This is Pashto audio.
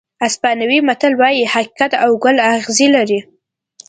اسپانوي متل وایي حقیقت او ګل اغزي لري.